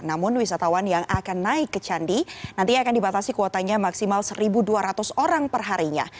namun wisatawan yang akan naik ke candi nantinya akan dibatasi kuotanya maksimal satu dua ratus orang perharinya